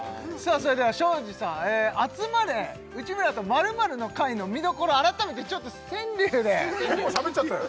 それでは庄司さん「集まれ！内村と○○の会」の見どころ改めてちょっと川柳で結構しゃべっちゃったよ